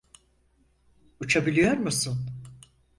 Uçabiliyor musun?